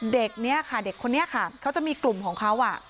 เด็กคนนี้เขาจะมีกลุ่มของเขา